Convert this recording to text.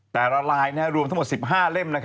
แต่ละลายรวมทั้งหมด๑๕เล่ม